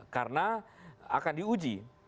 karena akan diuji